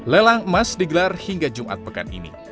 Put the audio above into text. lelang emas digelar hingga jumat pekan ini